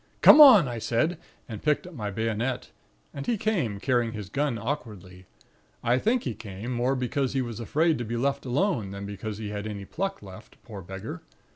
"'Come on!' I said, and picked up my bayonet; and he came, carrying his gun awkwardly. I think he came, more because he was afraid to be left alone, than because he had any pluck left, poor beggar.